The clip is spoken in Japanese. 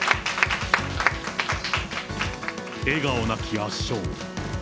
笑顔なき圧勝。